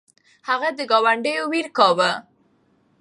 هغه د ګاونډیو ویر کاوه.